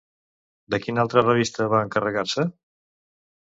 De quina altra revista va encarregar-se?